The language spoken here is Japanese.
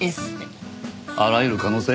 あらゆる可能性。